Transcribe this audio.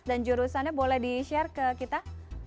dan jurusannya boleh di share ke kita